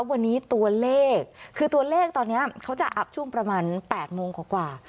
วันนี้ตัวเลขคือตัวเลขตอนนี้เขาจะอับช่วงประมาณ๘โมงกว่า